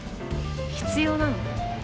必要なの？